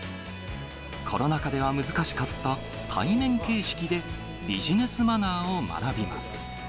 コロナ禍では難しかった対面形式で、ビジネスマナーを学びます。